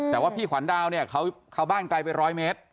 แต่ว่าพี่ขวัญดาวเนี่ยเขาบ้านไกลไป๑๐๐เมตร